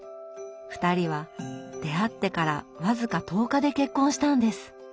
２人は出会ってから僅か１０日で結婚したんです！